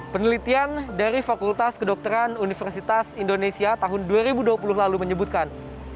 penelitian dari fakultas kedokteran universitas indonesia tahun dua ribu dua puluh lalu menyebutkan